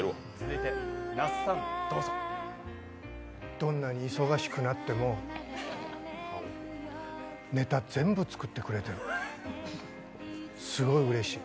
どんなに忙しくなっても、ネタ全部作ってくれてる、すごいうれしい。